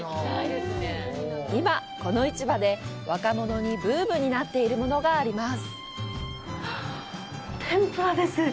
今、この市場で、若者にブームになっているものがあります。